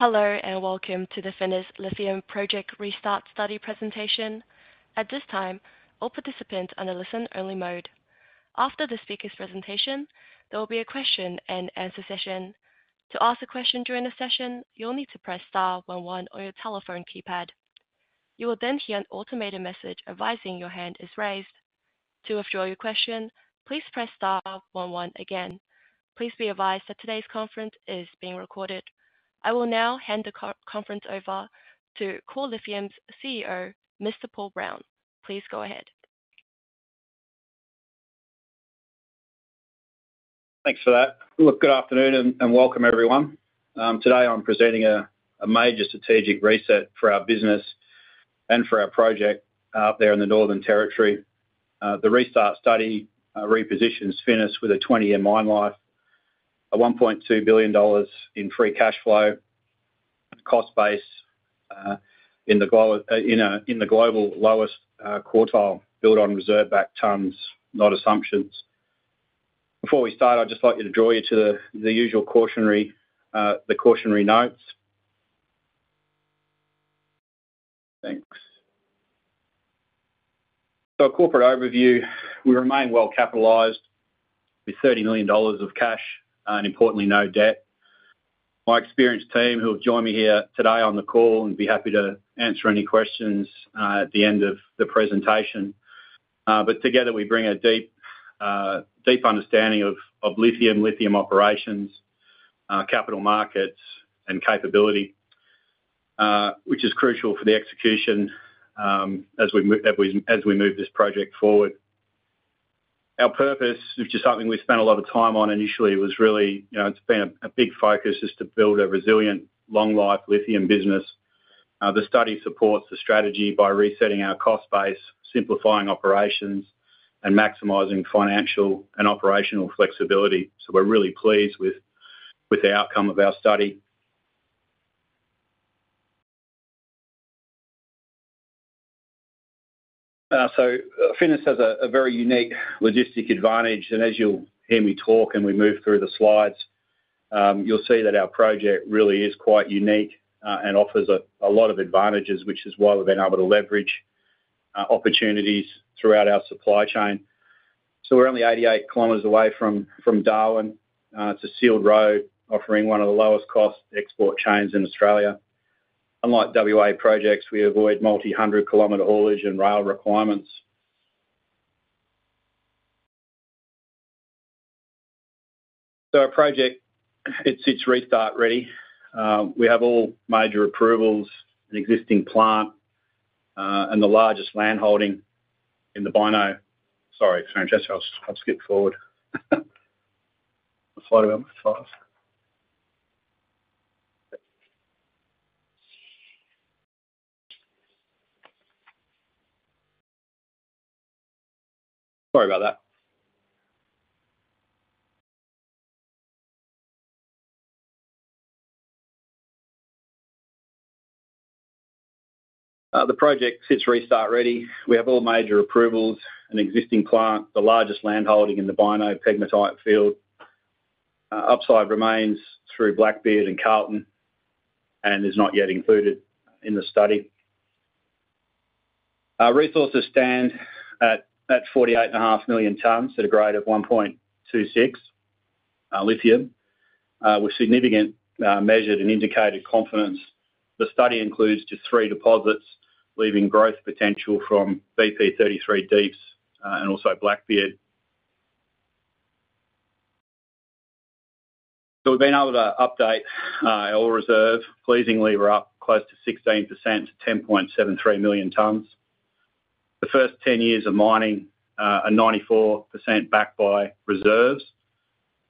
Hello and welcome to the Finniss Lithium Project Restart Study presentation. At this time, all participants are in a listen-only mode. After the speaker's presentation, there will be a question and answer session. To ask a question during the session, you'll need to press star one one on your telephone keypad. You will then hear an automated message advising your hand is raised. To withdraw your question, please press star one one again. Please be advised that today's conference is being recorded. I will now hand the conference over to Core Lithium's CEO, Mr. Paul Brown. Please go ahead. Thanks for that. Good afternoon and welcome, everyone. Today, I'm presenting a major strategic reset for our business and for our project out there in the Northern Territory. The restart study repositions Finniss with a 20-year mine life, 1.2 billion dollars in free cash flow, cost base in the global lowest quartile, built on reserve-backed tons, not assumptions. Before we start, I'd just like to draw you to the usual cautionary notes. Thanks. A corporate overview: we remain well-capitalized with 30 million dollars of cash and, importantly, no debt. My experienced team will join me here today on the call and be happy to answer any questions at the end of the presentation. Together, we bring a deep understanding of lithium, lithium operations, capital markets, and capability, which is crucial for the execution as we move this project forward. Our purpose, which is something we spent a lot of time on initially, was really—it's been a big focus—is to build a resilient, long-life lithium business. The study supports the strategy by resetting our cost base, simplifying operations, and maximizing financial and operational flexibility. We are really pleased with the outcome of our study. Finniss has a very unique logistic advantage. As you will hear me talk and we move through the slides, you will see that our project really is quite unique and offers a lot of advantages, which is why we have been able to leverage opportunities throughout our supply chain. We are only 88 km away from Darwin. It is a sealed road, offering one of the lowest-cost export chains in Australia. Unlike WA projects, we avoid multi-hundred-kilometer haulage and rail requirements. Our project sits restart ready. We have all major approvals, an existing plant, and the largest landholding in the Bynoe. Sorry, Francesco, I'll skip forward. Sorry about that. The project sits restart ready. We have all major approvals, an existing plant, the largest landholding in the Bynoe pegmatite field. Upside remains through Blackbeard and Carlton, and is not yet included in the study. Our resources stand at 48.5 million tons at a grade of 1.26 lithium, with significant measured and indicated confidence. The study includes just three deposits, leaving growth potential from BP33 deeps and also Blackbeard. We've been able to update our ore reserve. Pleasingly, we're up close to 16% to 10.73 million tons. The first 10 years of mining are 94% backed by reserves.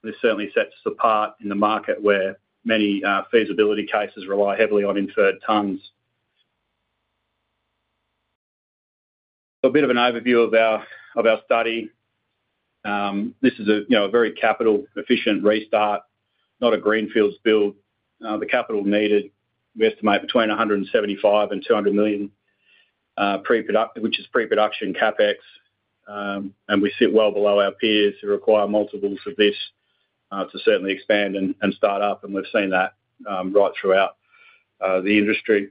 This certainly sets us apart in the market where many feasibility cases rely heavily on inferred tons. A bit of an overview of our study. This is a very capital-efficient restart, not a greenfield build. The capital needed, we estimate, between 175 million-200 million, which is pre-production CapEx. We sit well below our peers who require multiples of this to certainly expand and start up. We have seen that right throughout the industry.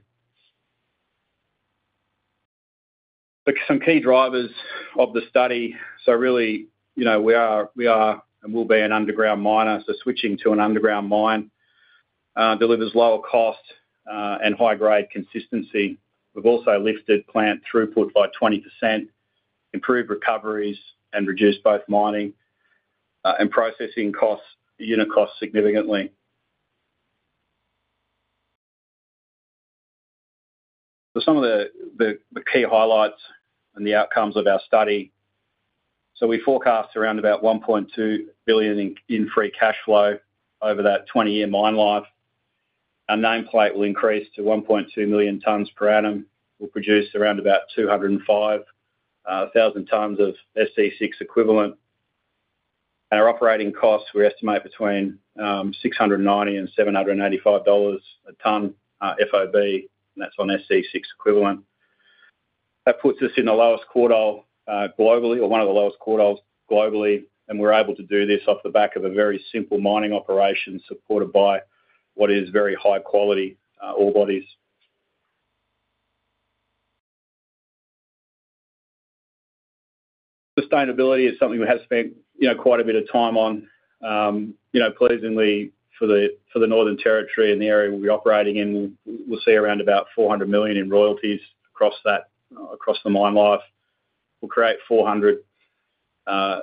Some key drivers of the study. Really, we are and will be an underground miner. Switching to an underground mine delivers lower cost and high-grade consistency. We have also lifted plant throughput by 20%, improved recoveries, and reduced both mining and processing unit costs significantly. Some of the key highlights and the outcomes of our study. We forecast around 1.2 billion in free cash flow over that 20-year mine life. Our nameplate will increase to 1.2 million tons per annum. We will produce around 205,000 tons of SC6 equivalent. Our operating costs, we estimate, between 690-785 dollars a ton FOB, and that's on SC6 equivalent. That puts us in the lowest quartile globally, or one of the lowest quartiles globally. We're able to do this off the back of a very simple mining operation supported by what is very high-quality ore bodies. Sustainability is something we have spent quite a bit of time on. Pleasingly, for the Northern Territory and the area we'll be operating in, we'll see around about 400 million in royalties across the mine life. We'll create 400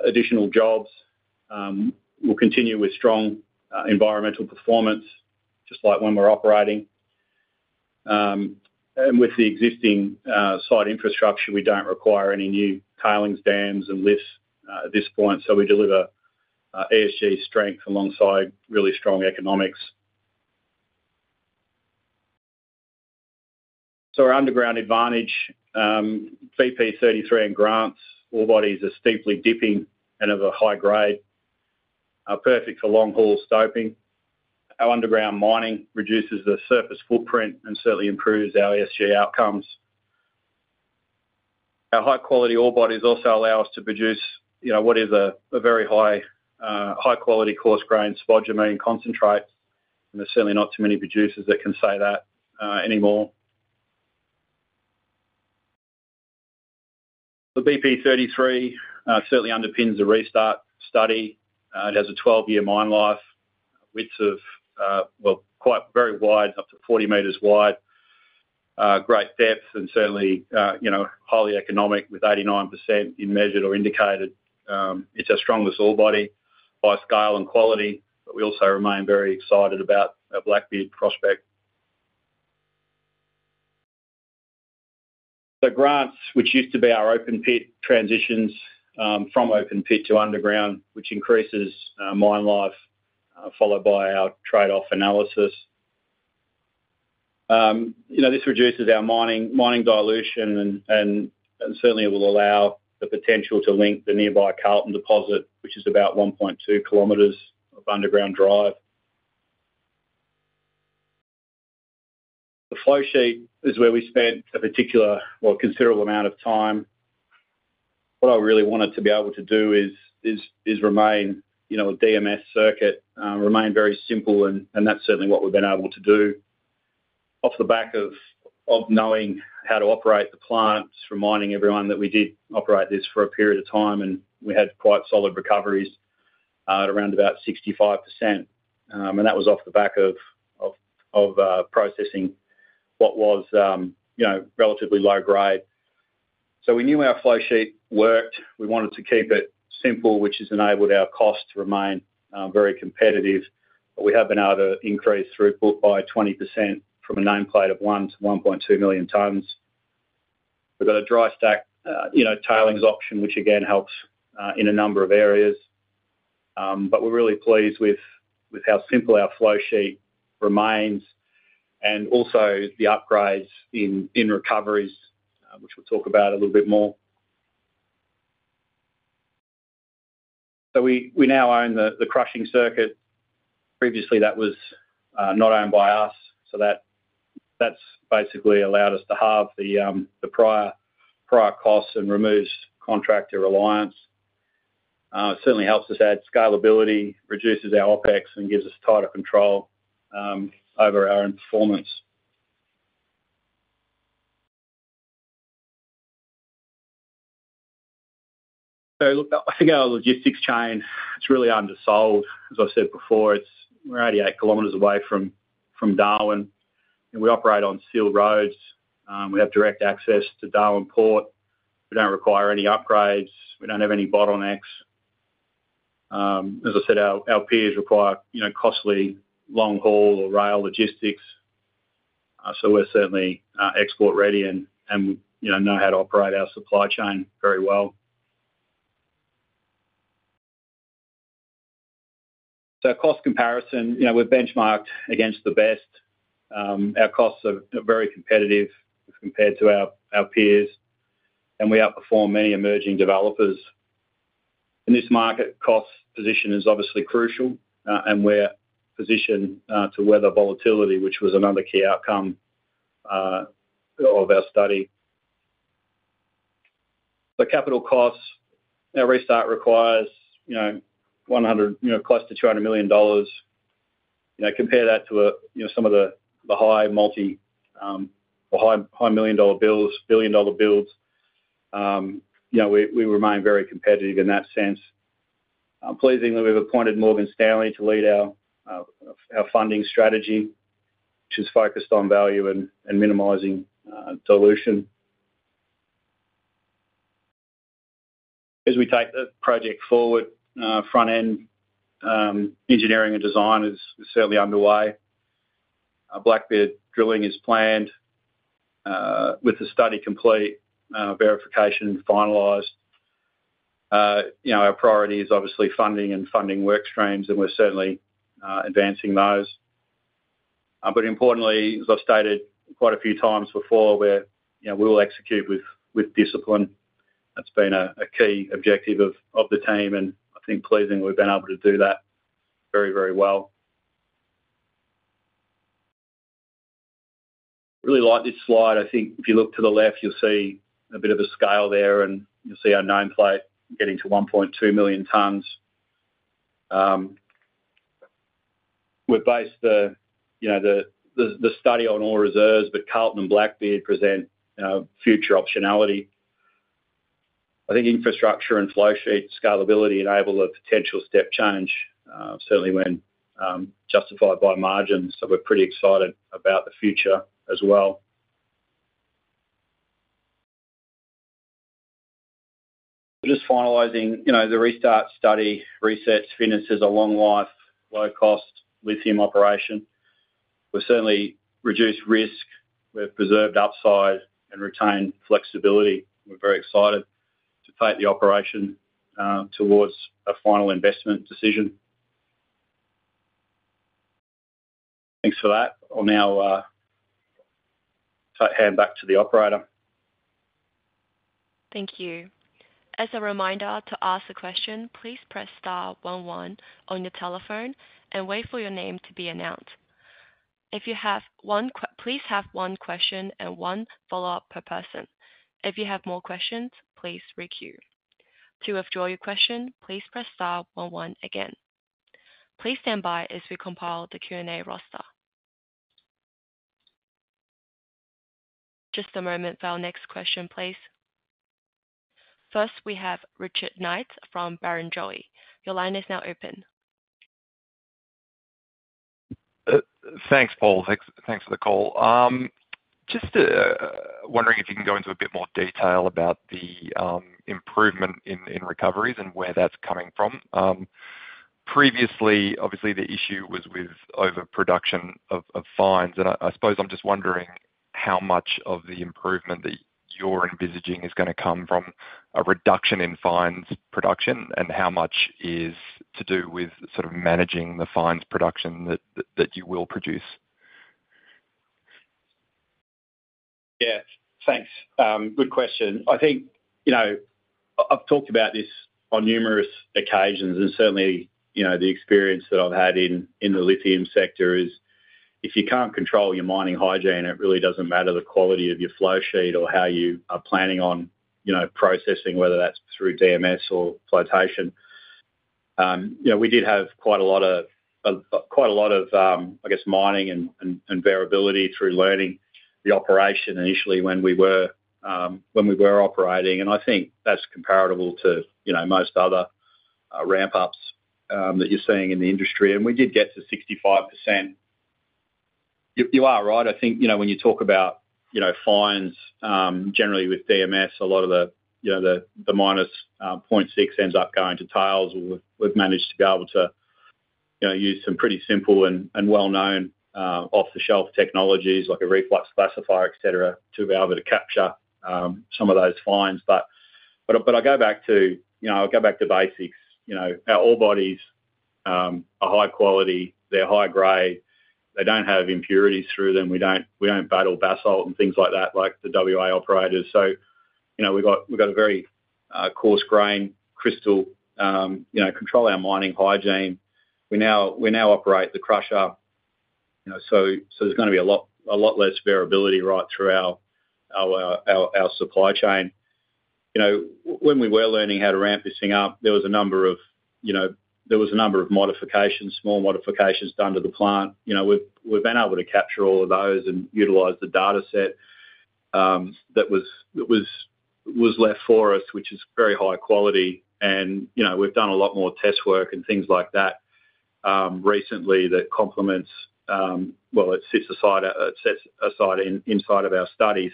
additional jobs. We'll continue with strong environmental performance, just like when we're operating. With the existing site infrastructure, we don't require any new tailings dams and lifts at this point. We deliver ESG strength alongside really strong economics. Our underground advantage, BP33 and Grants ore bodies, are steeply dipping and of a high grade, perfect for long-haul stoping. Our underground mining reduces the surface footprint and certainly improves our ESG outcomes. Our high-quality ore bodies also allow us to produce what is a very high-quality coarse-grain spodumene concentrate. There are certainly not too many producers that can say that anymore. BP33 certainly underpins the restart study. It has a 12-year mine life, widths of, well, quite very wide, up to 40 m wide, great depth, and certainly highly economic with 89% in measured or indicated. It is our strongest ore body by scale and quality. We also remain very excited about our Blackbeard prospect. Grants, which used to be our open-pit, transitions from open-pit to underground, which increases mine life followed by our trade-off analysis. This reduces our mining dilution, and certainly, it will allow the potential to link the nearby Carlton deposit, which is about 1.2 km of underground drive. The flowsheet is where we spent a particular, well, considerable amount of time. What I really wanted to be able to do is remain a DMS circuit, remain very simple, and that's certainly what we've been able to do. Off the back of knowing how to operate the plants, reminding everyone that we did operate this for a period of time, and we had quite solid recoveries at around about 65%. That was off the back of processing what was relatively low grade. We knew our flowsheet worked. We wanted to keep it simple, which has enabled our cost to remain very competitive. We have been able to increase throughput by 20% from a nameplate of 1 million tons-1.2 million tons. We've got a dry stack tailings option, which again helps in a number of areas. We are really pleased with how simple our flowsheet remains and also the upgrades in recoveries, which we will talk about a little bit more. We now own the crushing circuit. Previously, that was not owned by us. That has basically allowed us to halve the prior costs and remove contractor reliance. It certainly helps us add scalability, reduces our OpEx, and gives us tighter control over our own performance. I think our logistics chain is really undersold. As I said before, we are 88 km away from Darwin. We operate on sealed roads. We have direct access to Darwin Port. We do not require any upgrades. We do not have any bottlenecks. As I said, our peers require costly long-haul or rail logistics. We're certainly export-ready and know how to operate our supply chain very well. Cost comparison, we're benchmarked against the best. Our costs are very competitive compared to our peers, and we outperform many emerging developers. In this market, cost position is obviously crucial, and we're positioned to weather volatility, which was another key outcome of our study. The capital costs, our restart requires close to 200 million dollars. Compare that to some of the high million-dollar bills, billion-dollar builds. We remain very competitive in that sense. Pleasingly, we've appointed Morgan Stanley to lead our funding strategy, which is focused on value and minimizing dilution. As we take the project forward, front-end engineering and design is certainly underway. Blackbeard drilling is planned. With the study complete, verification finalized, our priority is obviously funding and funding work streams, and we're certainly advancing those. Importantly, as I've stated quite a few times before, we will execute with discipline. That's been a key objective of the team. I think, pleasingly, we've been able to do that very, very well. I really like this slide. I think if you look to the left, you'll see a bit of a scale there, and you'll see our nameplate getting to 1.2 million tons. We've based the study on ore reserves, but Carlton and Blackbeard present future optionality. I think infrastructure and flowsheet scalability enable a potential step change, certainly when justified by margins. We're pretty excited about the future as well. Just finalising the restart study resets Finniss as a long-life, low-cost lithium operation. We've certainly reduced risk. We've preserved upside and retained flexibility. We're very excited to take the operation towards a final investment decision. Thanks for that. I'll now hand back to the operator. Thank you. As a reminder to ask a question, please press star one one on your telephone and wait for your name to be announced. If you have one question, please have one question and one follow-up per person. If you have more questions, please re-queue. To withdraw your question, please press star one one again. Please stand by as we compile the Q&A roster. Just a moment for our next question, please. First, we have Richard Knights from Barrenjoey. Your line is now open. Thanks, Paul. Thanks for the call. Just wondering if you can go into a bit more detail about the improvement in recoveries and where that's coming from. Previously, obviously, the issue was with overproduction of fines. I suppose I'm just wondering how much of the improvement that you're envisaging is going to come from a reduction in fines production and how much is to do with sort of managing the fines production that you will produce. Yeah. Thanks. Good question. I think I've talked about this on numerous occasions, and certainly, the experience that I've had in the lithium sector is if you can't control your mining hygiene, it really doesn't matter the quality of your flowsheet or how you are planning on processing, whether that's through DMS or flotation. We did have quite a lot of, I guess, mining and variability through learning the operation initially when we were operating. I think that's comparable to most other ramp-ups that you're seeing in the industry. We did get to 65%. You are right. I think when you talk about fines, generally with DMS, a lot of the -0.6 ends up going to tails. We've managed to be able to use some pretty simple and well-known off-the-shelf technologies like a reflux classifier, etc., to be able to capture some of those fines. I go back to basics. Our ore bodies are high quality. They're high grade. They don't have impurities through them. We don't battle basalt and things like that like the WA operators. We've got a very coarse-grain crystal. Control our mining hygiene. We now operate the crusher. There's going to be a lot less variability right through our supply chain. When we were learning how to ramp this thing up, there was a number of small modifications done to the plant. We've been able to capture all of those and utilize the dataset that was left for us, which is very high quality. We've done a lot more test work and things like that recently that complements well, it sits aside inside of our study.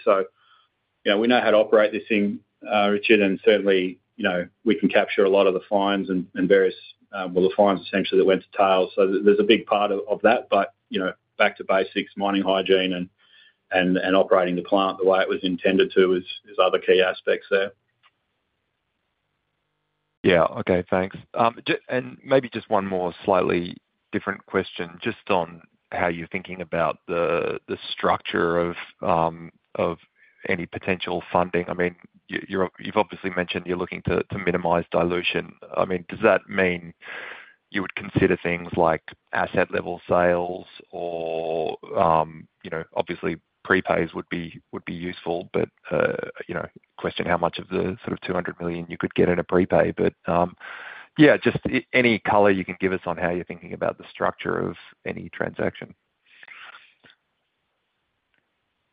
We know how to operate this thing, Richard, and certainly, we can capture a lot of the fines and various, well, the fines essentially that went to tails. There's a big part of that. Back to basics, mining hygiene and operating the plant the way it was intended to is other key aspects there. Yeah. Okay. Thanks. Maybe just one more slightly different question, just on how you're thinking about the structure of any potential funding. I mean, you've obviously mentioned you're looking to minimize dilution. I mean, does that mean you would consider things like asset-level sales or obviously, prepays would be useful, but question how much of the sort of 200 million you could get in a prepay. But yeah, just any color you can give us on how you're thinking about the structure of any transaction.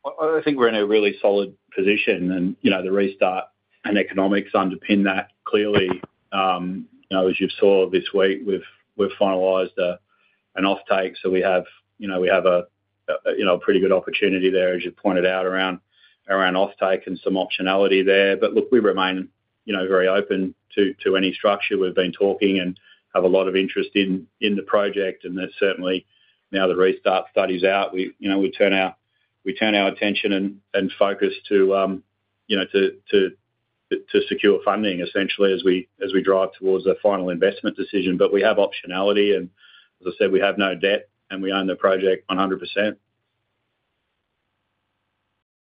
I think we're in a really solid position. And the restart and economics underpin that clearly. As you saw this week, we've finalized an offtake. So, we have a pretty good opportunity there, as you've pointed out, around offtake and some optionality there. But look, we remain very open to any structure. We've been talking and have a lot of interest in the project. And certainly, now the restart study's out, we turn our attention and focus to secure funding, essentially, as we drive towards a final investment decision. But we have optionality. As I said, we have no debt, and we own the project 100%.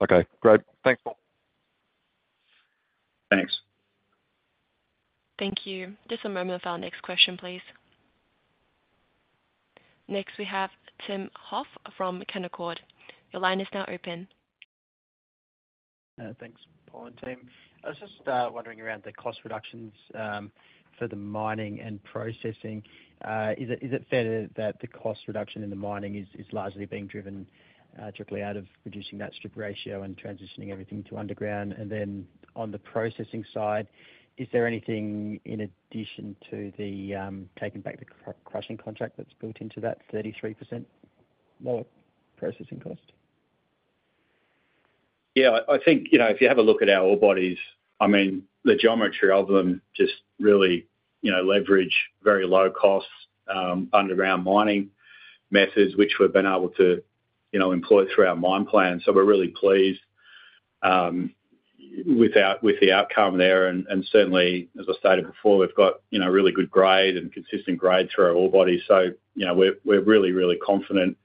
Okay. Great. Thanks, Paul. Thanks. Thank you. Just a moment for our next question, please. Next, we have Tim Hoff from Canaccord. Your line is now open. Thanks, Paul and team. I was just wondering around the cost reductions for the mining and processing. Is it fair that the cost reduction in the mining is largely being driven strictly out of reducing that strip ratio and transitioning everything to underground? On the processing side, is there anything in addition to taking back the crushing contract that's built into that 33% lower processing cost? Yeah. I think if you have a look at our ore bodies, I mean, the geometry of them just really leverage very low-cost underground mining methods, which we've been able to employ through our mine plan. We're really pleased with the outcome there. Certainly, as I stated before, we've got really good grade and consistent grade through our ore bodies. We're really, really confident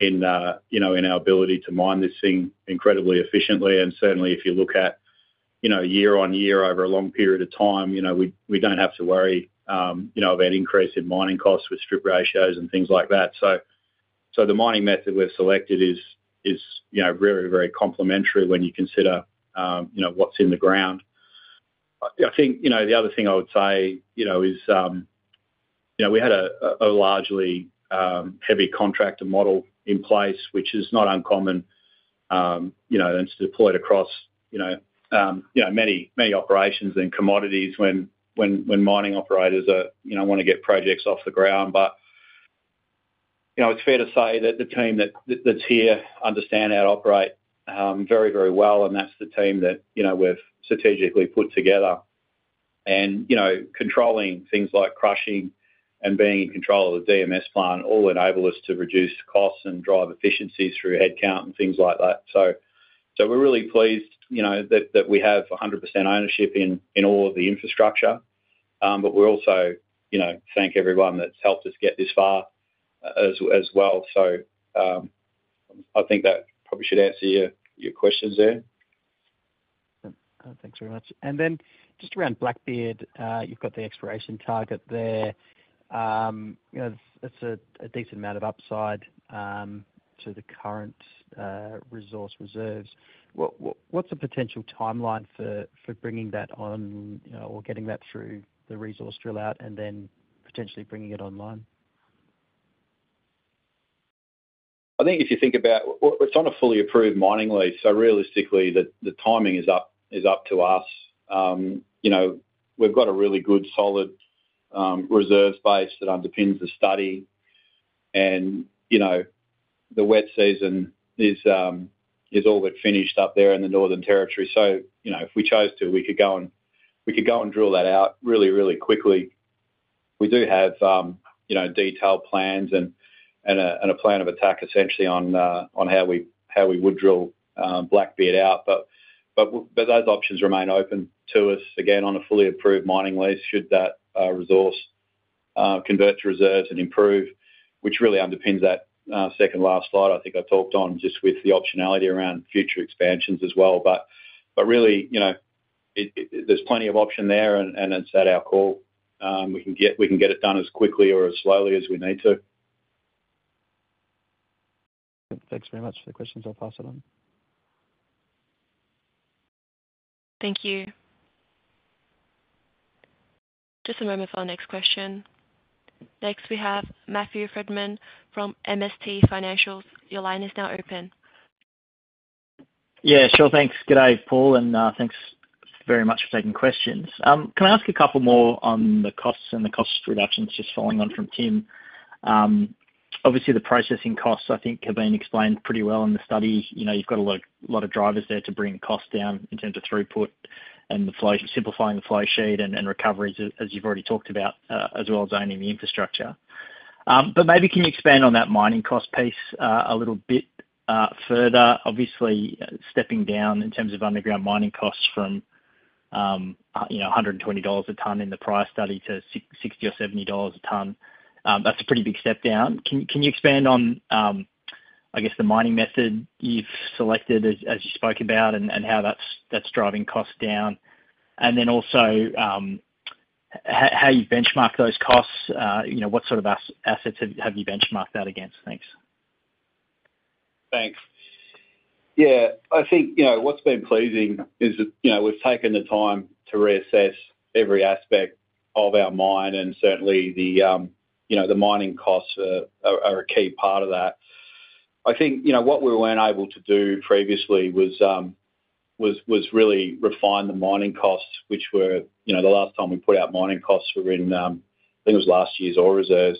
in our ability to mine this thing incredibly efficiently. Certainly, if you look at year on year over a long period of time, we don't have to worry about increasing mining costs with strip ratios and things like that. The mining method we've selected is very, very complementary when you consider what's in the ground. I think the other thing I would say is we had a largely heavy contractor model in place, which is not uncommon, and it's deployed across many operations and commodities when mining operators want to get projects off the ground. It's fair to say that the team that's here understand how to operate very, very well. That is the team that we have strategically put together. Controlling things like crushing and being in control of the DMS plant all enable us to reduce costs and drive efficiencies through headcount and things like that. We are really pleased that we have 100% ownership in all of the infrastructure. We also thank everyone that has helped us get this far as well. I think that probably should answer your questions there. Thanks very much. Just around Blackbeard, you have got the exploration target there. It is a decent amount of upside to the current resource reserves. What is the potential timeline for bringing that on or getting that through the resource drill-out and then potentially bringing it online? I think if you think about it, we are trying to fully approve mining lease. Realistically, the timing is up to us. We've got a really good solid reserve space that underpins the study. The wet season is all but finished up there in the Northern Territory. If we chose to, we could go and drill that out really, really quickly. We do have detailed plans and a plan of attack essentially on how we would drill Blackbeard out. Those options remain open to us, again, on a fully approved mining lease should that resource convert to reserves and improve, which really underpins that second last slide I think I talked on just with the optionality around future expansions as well. There is plenty of option there, and it's at our call. We can get it done as quickly or as slowly as we need to. Thanks very much. The questions I've asked are done. Thank you. Just a moment for our next question. Next, we have Matthew Frydman from MST Financial. Your line is now open. Yeah. Sure. Thanks. Good day, Paul. And thanks very much for taking questions. Can I ask a couple more on the costs and the cost reductions just following on from Tim? Obviously, the processing costs I think have been explained pretty well in the study. You've got a lot of drivers there to bring costs down in terms of throughput and simplifying the flowsheet and recoveries, as you've already talked about, as well as owning the infrastructure. But maybe can you expand on that mining cost piece a little bit further? Obviously, stepping down in terms of underground mining costs from 120 dollars a ton in the prior study to 60-70 dollars a ton, that's a pretty big step down. Can you expand on, I guess, the mining method you've selected as you spoke about and how that's driving costs down? And then also how you've benchmarked those costs? What sort of assets have you benchmarked that against? Thanks. Thanks. Yeah. I think what's been pleasing is that we've taken the time to reassess every aspect of our mine and certainly the mining costs are a key part of that. I think what we were unable to do previously was really refine the mining costs, which were the last time we put out mining costs were in, I think it was last year's ore reserves.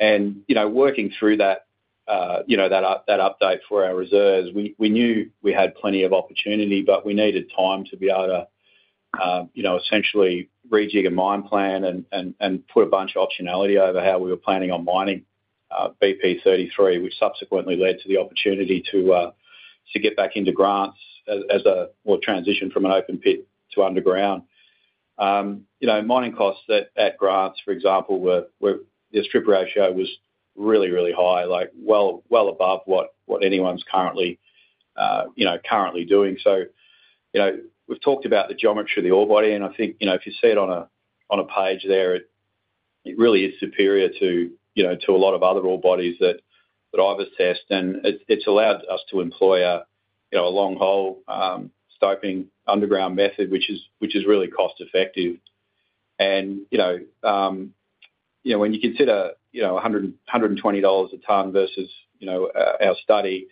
Working through that update for our reserves, we knew we had plenty of opportunity, but we needed time to be able to essentially rejig a mine plan and put a bunch of optionality over how we were planning on mining BP33, which subsequently led to the opportunity to get back into Grants as a transition from an open pit to underground. Mining costs at Grants, for example, the strip ratio was really, really high, well above what anyone is currently doing. We have talked about the geometry of the ore body, and I think if you see it on a page there, it really is superior to a lot of other ore bodies that I have assessed. It has allowed us to employ a long-haul stoping underground method, which is really cost-effective. When you consider 120 dollars a ton versus our study,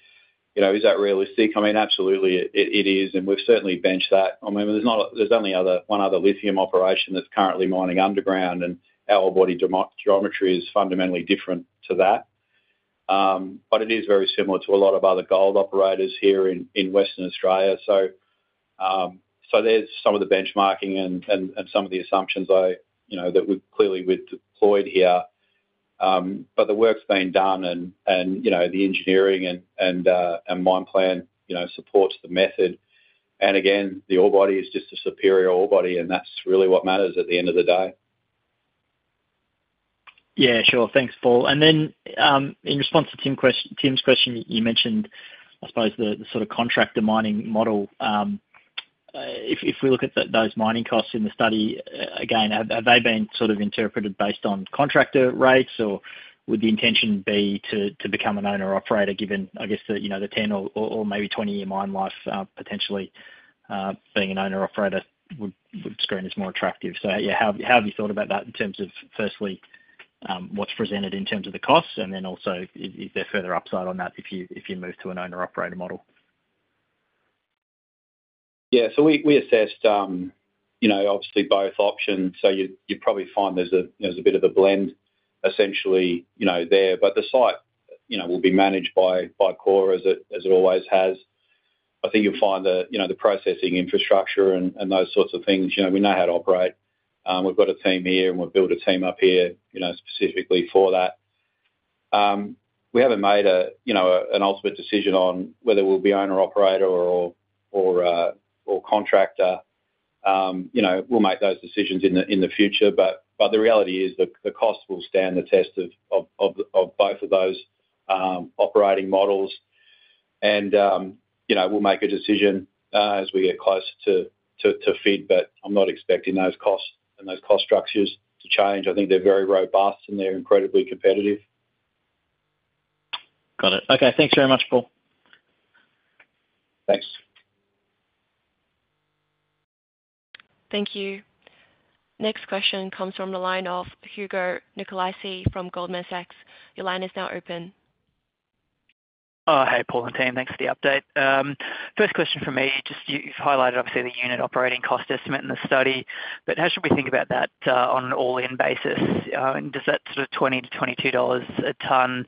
is that realistic? I mean, absolutely, it is. We have certainly benched that. I mean, there is only one other lithium operation that is currently mining underground, and our ore body geometry is fundamentally different to that. It is very similar to a lot of other gold operators here in Western Australia. There is some of the benchmarking and some of the assumptions that we clearly deployed here. The work has been done, and the engineering and mine plan supports the method. The ore body is just a superior ore body, and that is really what matters at the end of the day. Yeah. Sure. Thanks, Paul. In response to Tim's question, you mentioned, I suppose, the sort of contractor mining model. If we look at those mining costs in the study, again, have they been sort of interpreted based on contractor rates, or would the intention be to become an owner-operator given, I guess, the 10 or maybe 20-year mine life potentially being an owner-operator would screen as more attractive? Yeah, how have you thought about that in terms of, firstly, what's presented in terms of the costs, and then also, is there further upside on that if you move to an owner-operator model? Yeah. We assessed, obviously, both options. You'll probably find there's a bit of a blend essentially there. The site will be managed by Core as it always has. I think you'll find the processing infrastructure and those sorts of things, we know how to operate. We've got a team here, and we've built a team up here specifically for that. We haven't made an ultimate decision on whether we'll be owner-operator or contractor. We'll make those decisions in the future. The reality is that the cost will stand the test of both of those operating models. We'll make a decision as we get closer to FID, but I'm not expecting those costs and those cost structures to change. I think they're very robust, and they're incredibly competitive. Got it. Okay. Thanks very much, Paul. Thanks. Thank you. Next question comes from the line of Hugo Nicolaci from Goldman Sachs. Your line is now open. Oh, hey, Paul and team. Thanks for the update. First question for me, just you've highlighted, obviously, the unit operating cost estimate in the study. But how should we think about that on an all-in basis? Does that sort of 20-22 dollars a ton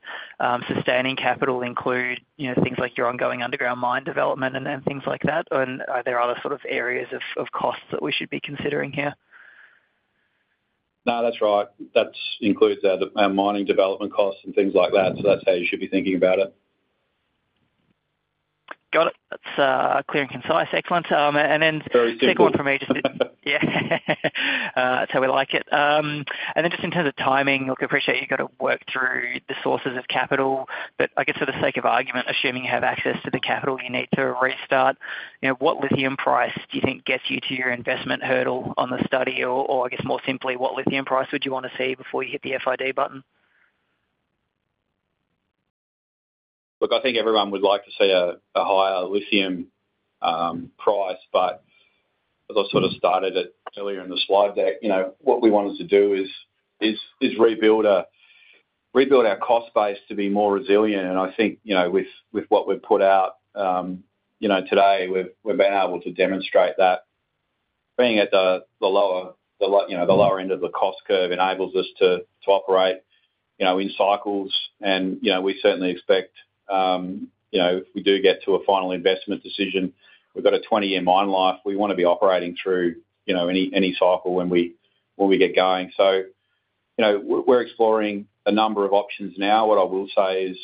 sustaining capital include things like your ongoing underground mine development and things like that? And are there other sort of areas of costs that we should be considering here? No, that's right. That includes our mining development costs and things like that. So, that's how you should be thinking about it. Got it. That's clear and concise. Excellent. And then very simple. Big one for me. Just yeah. That's how we like it. And then just in terms of timing, look, I appreciate you've got to work through the sources of capital. But I guess for the sake of argument, assuming you have access to the capital you need to restart, what lithium price do you think gets you to your investment hurdle on the study? Or I guess more simply, what lithium price would you want to see before you hit the FID button? Look, I think everyone would like to see a higher lithium price. As I sort of started earlier in the slide, what we wanted to do is rebuild our cost base to be more resilient. I think with what we've put out today, we've been able to demonstrate that. Being at the lower end of the cost curve enables us to operate in cycles. We certainly expect if we do get to a final investment decision, we've got a 20-year mine life. We want to be operating through any cycle when we get going. We're exploring a number of options now. What I will say is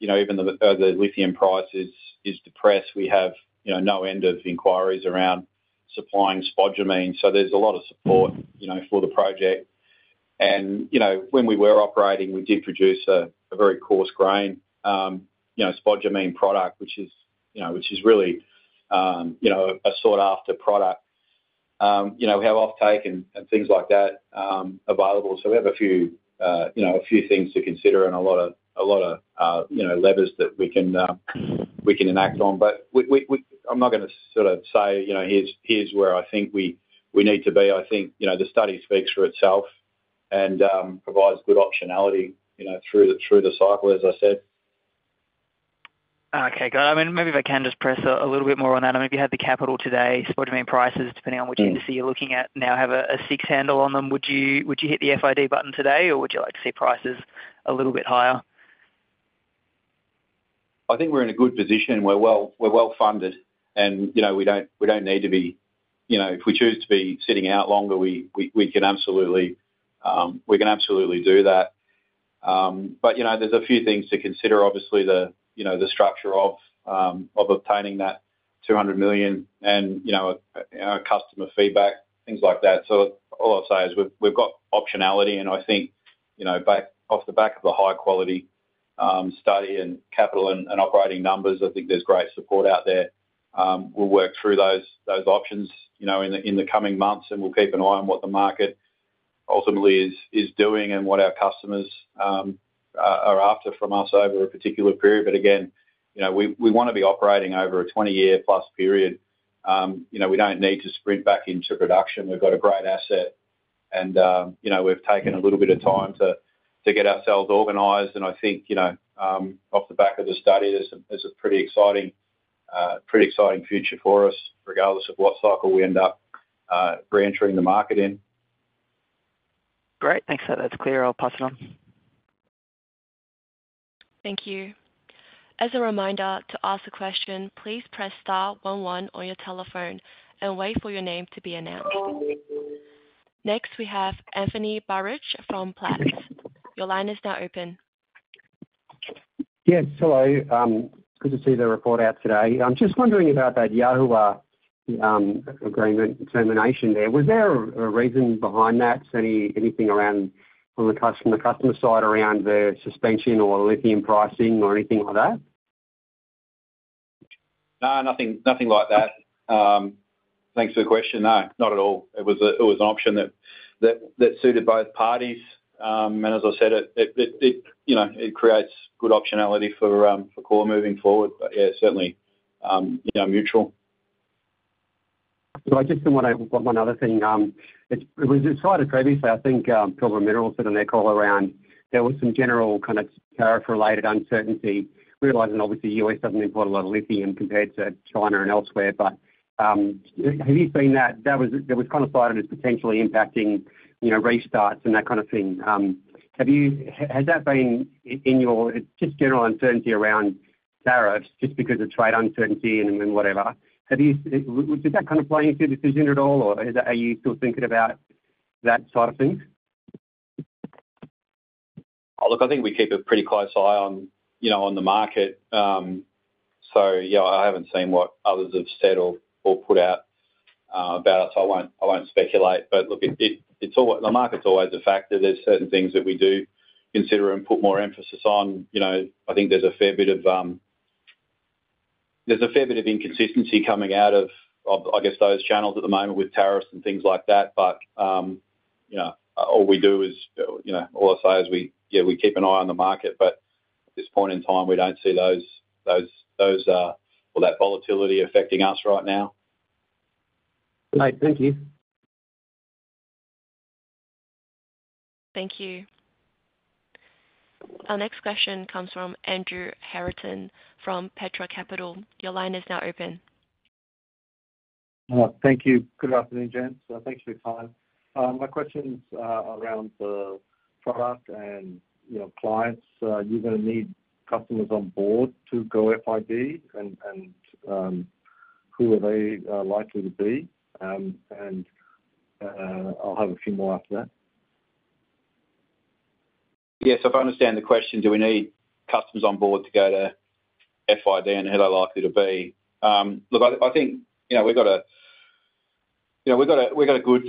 even though the lithium price is depressed, we have no end of inquiries around supplying spodumene. There is a lot of support for the project. When we were operating, we did produce a very coarse-grained spodumene product, which is really a sought-after product. We have offtake and things like that available. We have a few things to consider and a lot of levers that we can enact on. I am not going to sort of say, "Here is where I think we need to be." I think the study speaks for itself and provides good optionality through the cycle, as I said. Okay. Got it. I mean, maybe if I can just press a little bit more on that. I mean, if you had the capital today, spodumene prices, depending on which industry you are looking at, now have a six handle on them, would you hit the FID button today, or would you like to see prices a little bit higher? I think we're in a good position. We're well funded, and we don't need to be if we choose to be sitting out longer, we can absolutely do that. There are a few things to consider. Obviously, the structure of obtaining that 200 million and customer feedback, things like that. All I'll say is we've got optionality. I think off the back of the high-quality study and capital and operating numbers, I think there's great support out there. We'll work through those options in the coming months, and we'll keep an eye on what the market ultimately is doing and what our customers are after from us over a particular period. Again, we want to be operating over a 20-year plus period. We don't need to sprint back into production. We've got a great asset, and we've taken a little bit of time to get ourselves organized. I think off the back of the study, there's a pretty exciting future for us regardless of what cycle we end up reentering the market in. Great. Thanks. That's clear. I'll pass it on. Thank you. As a reminder, to ask a question, please press star one one on your telephone and wait for your name to be announced. Next, we have Anthony Barich from Platts. Your line is now open. Yes. Hello. Good to see the report out today. I'm just wondering about that Yahua agreement termination there. Was there a reason behind that? Anything from the customer side around the suspension or lithium pricing or anything like that? No, nothing like that. Thanks for the question. No, not at all. It was an option that suited both parties. As I said, it creates good optionality for Core moving forward. Yeah, certainly mutual. I just want to add one other thing. We decided previously, I think, silver minerals had an echo around there was some general kind of tariff-related uncertainty, realizing, obviously, the U.S. does not import a lot of lithium compared to China and elsewhere. Have you seen that? That was kind of cited as potentially impacting restarts and that kind of thing. Has that been in your just general uncertainty around tariffs just because of trade uncertainty and whatever? Did that kind of play into your decision at all, or are you still thinking about that side of things? Look, I think we keep a pretty close eye on the market. Yeah, I have not seen what others have said or put out about it, so I will not speculate. Look, the market is always a factor. There are certain things that we do consider and put more emphasis on. I think there's a fair bit of inconsistency coming out of, I guess, those channels at the moment with tariffs and things like that. All I'll say is we, yeah, we keep an eye on the market. At this point in time, we don't see those or that volatility affecting us right now. Great. Thank you. Thank you. Our next question comes from Andrew Harrington from Petra Capital. Your line is now open. Thank you. Good afternoon, James. Thanks for your time. My question's around the product and clients. You're going to need customers on board to go FID, and who are they likely to be? I'll have a few more after that. Yes. If I understand the question, do we need customers on board to go to FID, and who are they likely to be? Look, I think we've got a good,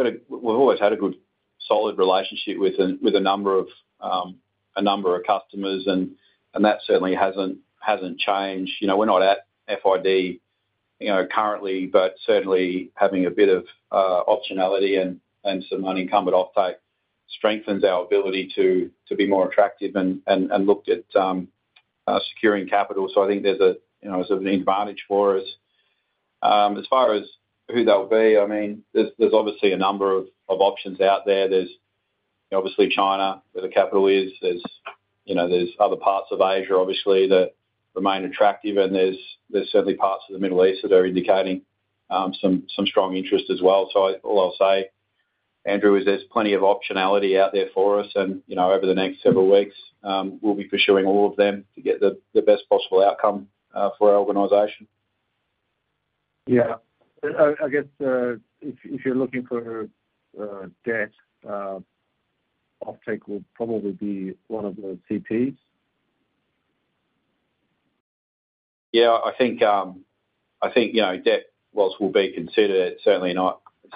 we've always had a good solid relationship with a number of customers, and that certainly hasn't changed. We're not at FID currently, but certainly having a bit of optionality and some unencumbered offtake strengthens our ability to be more attractive and look at securing capital. I think there's a sort of an advantage for us. As far as who they'll be, I mean, there's obviously a number of options out there. There's obviously China where the capital is. There's other parts of Asia, obviously, that remain attractive. There's certainly parts of the Middle East that are indicating some strong interest as well. All I'll say, Andrew, is there's plenty of optionality out there for us. Over the next several weeks, we'll be pursuing all of them to get the best possible outcome for our organization. Yeah. I guess if you're looking for debt, offtake will probably be one of the CPs. Yeah. I think debt will be considered. It's certainly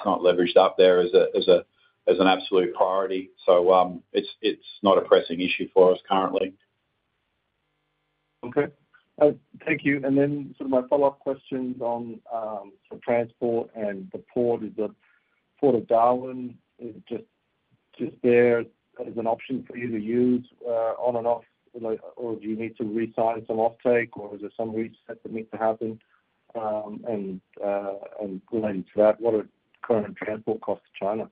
not leveraged up there as an absolute priority. It's not a pressing issue for us currently. Okay. Thank you. My follow-up questions on transport and the port. Is the Port of Darwin just there as an option for you to use on and off, or do you need to resign some offtake, or is there some reset that needs to happen? Related to that, what are current transport costs to China?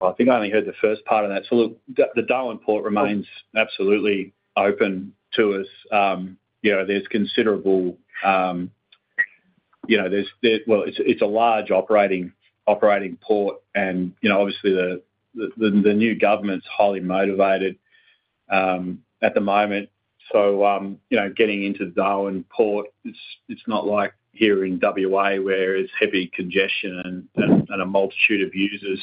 I think I only heard the first part of that. The Darwin port remains absolutely open to us. There's considerable, it's a large operating port. Obviously, the new government's highly motivated at the moment. Getting into the Darwin port, it's not like here in WA where it's heavy congestion and a multitude of users.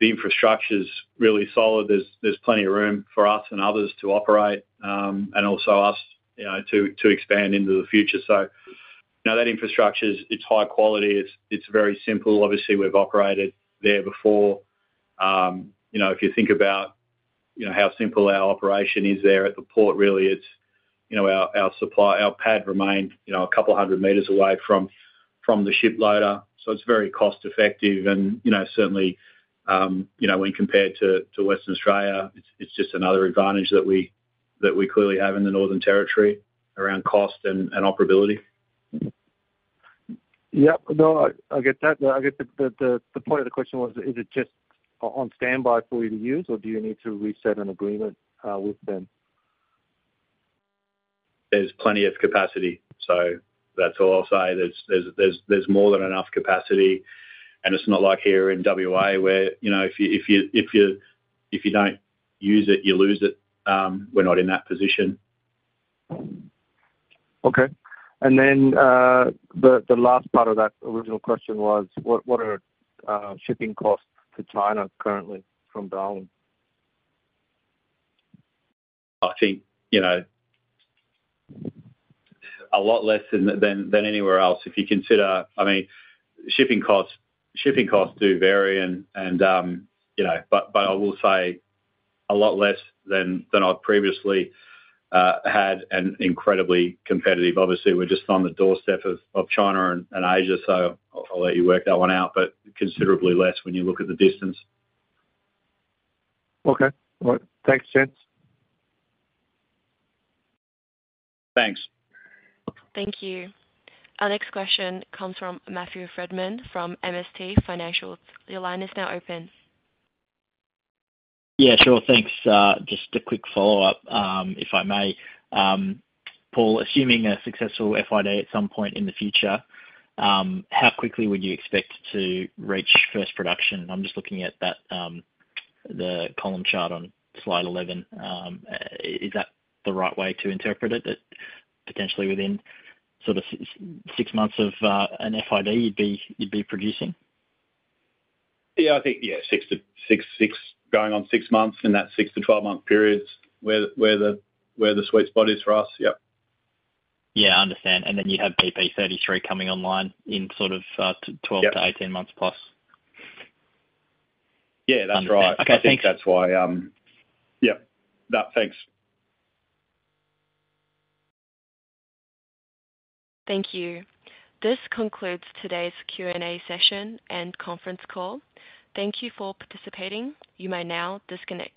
The infrastructure's really solid. There's plenty of room for us and others to operate and also us to expand into the future. That infrastructure, it's high quality. It's very simple. Obviously, we've operated there before. If you think about how simple our operation is there at the port, really, our pad remained 200 m away from the shiploader. It's very cost-effective. Certainly, when compared to Western Australia, it's just another advantage that we clearly have in the Northern Territory around cost and operability. Yep. No, I get that. I guess the point of the question was, is it just on standby for you to use, or do you need to reset an agreement with them? There's plenty of capacity. That's all I'll say. There's more than enough capacity. It's not like here in WA where if you don't use it, you lose it. We're not in that position. Okay. The last part of that original question was, what are shipping costs to China currently from Darwin? I think a lot less than anywhere else. If you consider, I mean, shipping costs do vary. I will say a lot less than I've previously had and incredibly competitive. Obviously, we're just on the doorstep of China and Asia. I'll let you work that one out, but considerably less when you look at the distance. Okay. All right. Thanks, James. Thanks. Thank you. Our next question comes from Matthew Frydman from MST Financial. Your line is now open. Yeah. Sure. Thanks. Just a quick follow-up, if I may. Paul, assuming a successful FID at some point in the future, how quickly would you expect to reach first production? I'm just looking at the column chart on slide 11. Is that the right way to interpret it, that potentially within sort of six months of an FID you'd be producing? Yeah. I think, yeah, going on six months in that 6-12 month period's where the sweet spot is for us. Yep. Yeah. I understand. And then you'd have BP33 coming online in sort of 12-18 months plus. Yeah. That's right. I think that's why. Yep. Thanks. Thank you. This concludes today's Q&A session and conference call. Thank you for participating. You may now disconnect.